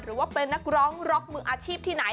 หรือว่าเป็นนักร้องร็อกมืออาชีพที่ไหน